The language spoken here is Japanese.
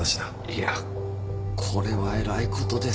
いやこれはえらいことですよ。